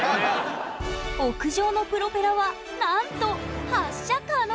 屋上のプロペラはなんと発射可能！